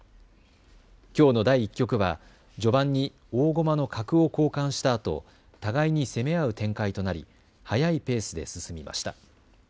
きょうの第１局は序盤に大駒の角を交換したあと互いに攻め合う展開となり速いペースで進みました。